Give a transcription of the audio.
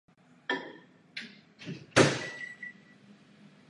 Přesto je pozorovatelná ze všech obydlených oblastí Země.